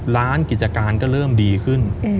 กิจการก็เริ่มดีขึ้น